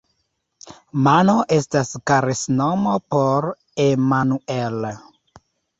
Mano estas karesnomo por Emmanuel.